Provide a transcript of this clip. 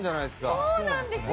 そうなんですよ！